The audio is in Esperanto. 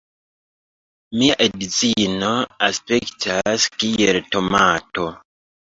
Mia edzino aspektas kiel tomato